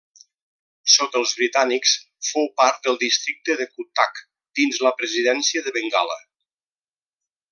Sota els britànics fou part del districte de Cuttack dins la presidència de Bengala.